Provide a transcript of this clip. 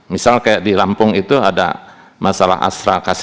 misal kayak di lampung itu ada masalah astra kasasi